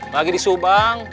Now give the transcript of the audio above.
lagi di subang